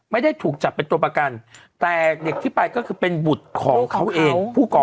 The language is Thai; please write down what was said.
ไม่ได้ถูกจับเป็นตัวประกันแต่เด็กที่ไปก็คือเป็นบุตรของเขาเองผู้ก่อเหตุ